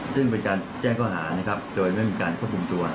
ซึ่งเป็นการแจ้งข้อหานะครับโดยไม่มีการควบคุมตัว